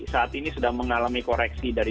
saat ini sedang mengalami koreksi dari